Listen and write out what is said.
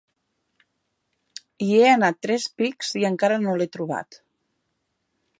Hi he anat tres pics i encara no l'he trobat.